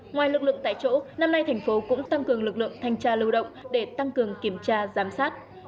ngoài lực lượng tại chỗ năm nay thành phố cũng tăng cường lực lượng thanh tra lưu động để tăng cường kiểm tra giám sát